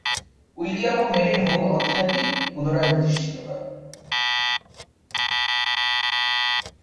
William ও মেরির মূল অধ্যায়টি পুনরায় প্রতিষ্ঠিত হয়।